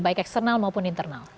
baik eksternal maupun internal